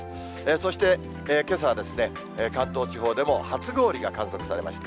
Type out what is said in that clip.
そして、けさはですね、関東地方でも初氷が観測されました。